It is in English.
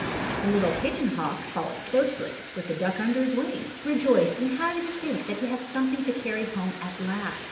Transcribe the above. The little Pigeon Hawk followed closely, with the duck under his wing, rejoiced and happy to think that he had something to carry home at last.